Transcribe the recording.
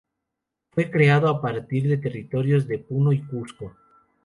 Fue creado el a partir de territorios de Puno y Cuzco.